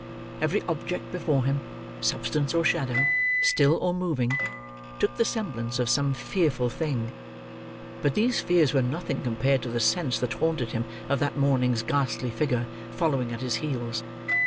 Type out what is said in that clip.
Every object before him, substance or shadow, still or moving, took the semblance of some fearful thing; but these fears were nothing compared to the sense that haunted him of that morning's ghastly figure following at his heels.